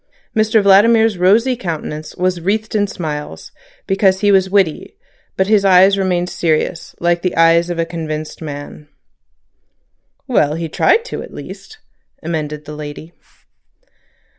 Mr Vladimir's rosy countenance was wreathed in smiles, because he was witty, but his eyes remained serious, like the eyes of convinced man. "Well, he tried to at least," amended the lady.